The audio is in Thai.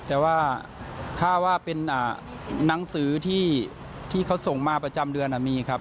แต่ว่าถ้าว่าเป็นหนังสือที่เขาส่งมาประจำเดือนมีครับ